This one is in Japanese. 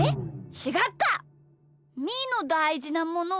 ちがった！